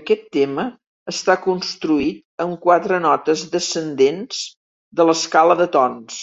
Aquest tema està construït amb quatre notes descendents de l'escala de tons.